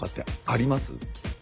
あります。